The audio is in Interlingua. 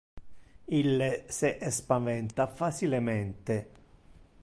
Ille se espaventa facilemente.